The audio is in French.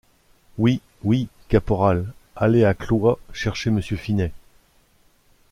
Oui, oui, Caporal, allez à Cloyes chercher Monsieur Finet...